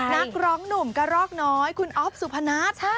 นักร้องหนุ่มกระรอกน้อยคุณอ๊อฟสุพนัท